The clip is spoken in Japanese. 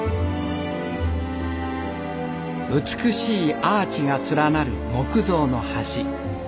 美しいアーチが連なる木造の橋。